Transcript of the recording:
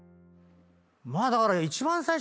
まあだから。